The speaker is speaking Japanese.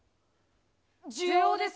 需要です。